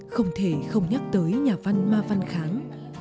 không thể không nhắc tới nhà văn ma văn kháng